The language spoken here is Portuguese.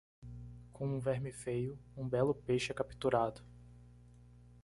Com um verme feio, um belo peixe é capturado.